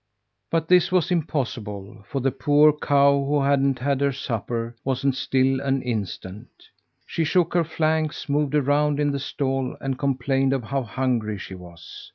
But this was impossible, for the poor cow, who hadn't had her supper, wasn't still an instant. She shook her flanks, moved around in the stall, and complained of how hungry she was.